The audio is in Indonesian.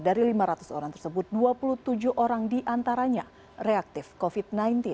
dari lima ratus orang tersebut dua puluh tujuh orang diantaranya reaktif covid sembilan belas